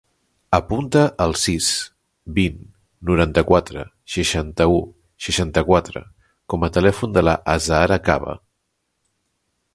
Apunta el sis, vint, noranta-quatre, seixanta-u, seixanta-quatre com a telèfon de l'Azahara Cava.